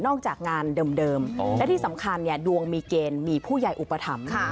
จากงานเดิมและที่สำคัญเนี่ยดวงมีเกณฑ์มีผู้ใหญ่อุปถัมภ์